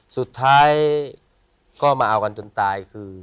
สุดท้ายก็มาเอากันจนตายคือ